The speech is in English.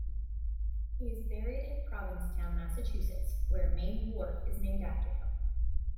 He is buried in Provincetown, Massachusetts, where a main wharf is named after him.